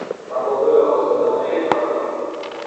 تبادل آزادانهی کالا